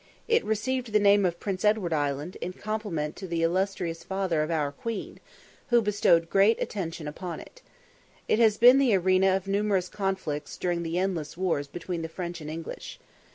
It received the name of Prince Edward Island in compliment to the illustrious father of our Queen, who bestowed great attention upon it. It has been the arena of numerous conflicts during the endless wars between the French and English.